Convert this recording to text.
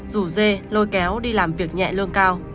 rủ dê lôi kéo đi làm việc nhẹ lương cao